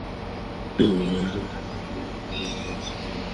প্রতিবারের মতো এবারও শীতের শুরুতে এখানে অতিথি পাখি আসতে শুরু করেছে।